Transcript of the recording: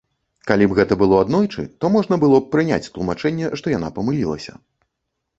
Калі б гэта было аднойчы, то можна было б прыняць тлумачэнне, што яна памыліліся.